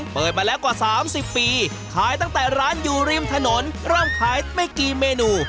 เปิดมาแล้วกว่า๓๐ปีขายตั้งแต่ร้านอยู่ริมถนนเริ่มขายไม่กี่เมนู